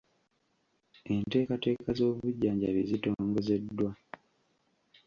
Enteekateeka z'obujjanjabi zitongozeddwa.